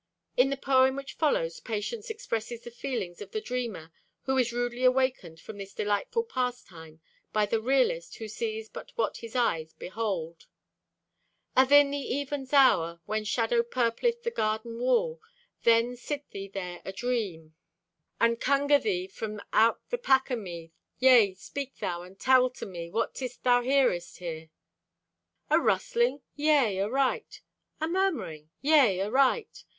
In the poem which follows Patience expresses the feelings of the dreamer who is rudely awakened from this delightful pastime by the realist who sees but what his eyes behold: Athin the even's hour, When shadow purpleth the garden wall, Then sit thee there adream, And cunger thee from out the pack o' me. Yea, speak thou, and tell to me What 'tis thou hearest here. A rustling? Yea, aright! A murmuring? Yea, aright!